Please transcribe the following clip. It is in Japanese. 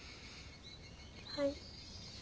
はい。